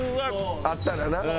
あったらな。